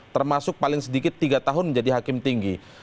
termasuk paling sedikit tiga tahun menjadi hakim tinggi